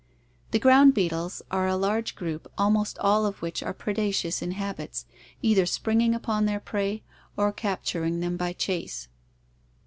Entomology.) jjie g,.oun(j beetles are a large group almost all of which are predaceous in habits, either springing upon their prey or capturing them by chase.